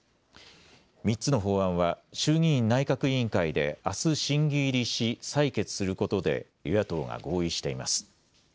３つの法案は衆議院内閣委員会であす審議入りし採決することで与野党が合意しています。